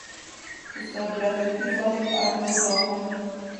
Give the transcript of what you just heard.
استاد رفیقي صاحب او نور راغونډ ول.